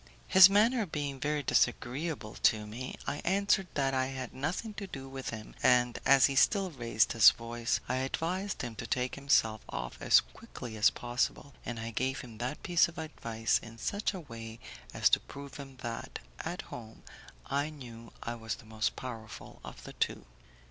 His manner being very disagreeable to me, I answered that I had nothing to do with him, and as he still raised his voice I advised him to take himself off as quickly as possible, and I gave him that piece of advice in such a way as to prove to him that, at home, I knew I was the more powerful of the two.